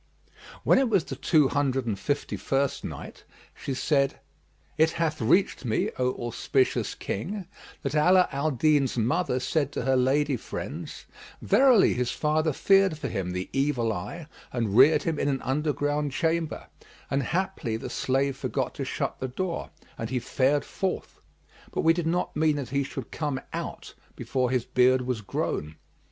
When it was the Two Hundred and Fifty first Night, She said, It hath reached me, O auspicious King, that Ala al Din's mother said to her lady friends, "Verily his father feared for him the evil eye and reared him in an underground chamber; and haply the slave forgot to shut the door and he fared forth; but we did not mean that he should come out, before his beard was grown."